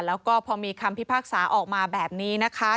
แล้วก็พอมีคำพิพากษาออกมาแบบนี้นะคะ